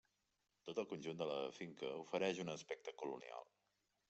Tot el conjunt de la finca ofereix un aspecte colonial.